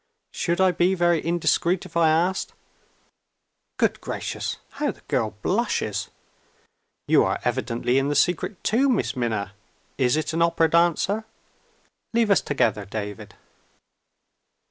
Should I be very indiscreet if I asked Good gracious, how the girl blushes! You are evidently in the secret too, Miss Minna. Is it an opera dancer? Leave us together, David."